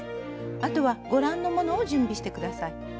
あとはご覧のものを準備して下さい。